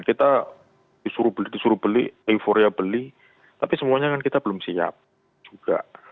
kita disuruh beli euforia beli tapi semuanya kan kita belum siap juga